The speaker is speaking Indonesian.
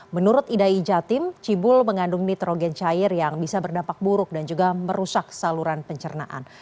menurut idai jatim cibul mengandung nitrogen cair yang bisa berdampak buruk dan juga merusak saluran pencernaan